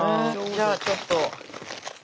じゃあちょっと。